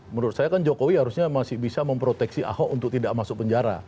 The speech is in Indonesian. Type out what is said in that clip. menurut saya kan jokowi harusnya masih bisa memproteksi ahok untuk tidak masuk penjara